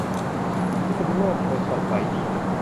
พิษณุโลกฝนตกไหม